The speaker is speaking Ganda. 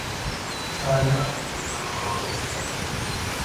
Kaali kabeera ne maama waako mu kyalo.